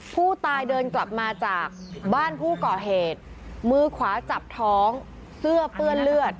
ผู้ตายเดินกลับมาจากบ้านผู้ก่อเหตุมือขวาจับท้องเสื้อเปื้อนเลือด